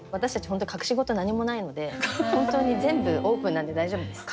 本当に隠し事何もないので本当に全部オープンなんで大丈夫です。